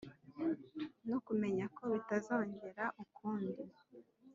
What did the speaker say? no kumenya ko bitazongera ukundi